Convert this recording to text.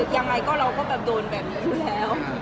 ยังไงเราก็โดนแบบนี้แล้ว